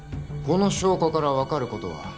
この証拠から分かることは